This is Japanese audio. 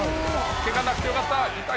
けがなくてよかった。